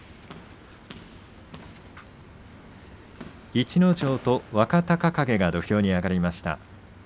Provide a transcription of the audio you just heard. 逸ノ城と若隆景が土俵に上がりました。